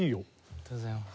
ありがとうございます。